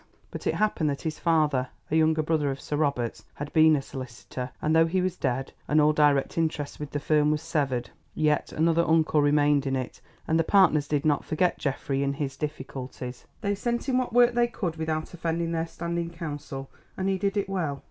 But it happened that his father, a younger brother of Sir Robert's, had been a solicitor, and though he was dead, and all direct interest with the firm was severed, yet another uncle remained in it, and the partners did not forget Geoffrey in his difficulties. They sent him what work they could without offending their standing counsel, and he did it well.